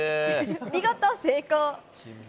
見事、成功。